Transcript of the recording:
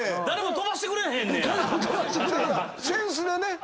誰も飛ばしてくれへん。